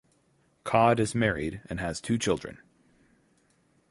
Codd is married and has two children.